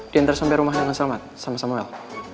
diantar sampe rumah dengan selamat sama samuel